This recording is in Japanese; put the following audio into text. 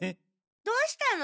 どうしたの？